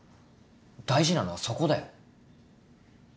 大事なのはそこだよ。